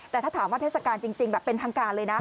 แต่ถ้าถามว่าเทศกาลจริงแบบเป็นทางการเลยนะ